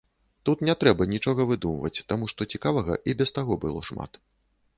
Тут не трэба нічога выдумваць, таму што цікавага і без таго было шмат.